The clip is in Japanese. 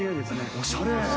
おしゃれ。